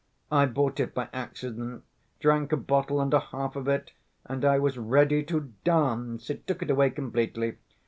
I bought it by accident, drank a bottle and a half of it, and I was ready to dance, it took it away completely.